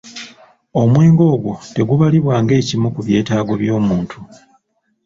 Omwenge ogwo tegubalibwa ng'ekimu ku byetaago by'omuntu.